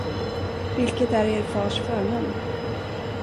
Vilket är er fars förnamn?